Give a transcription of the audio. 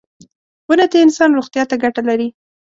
• ونه د انسان روغتیا ته ګټه لري.